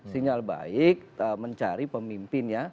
sinyal baik mencari pemimpin ya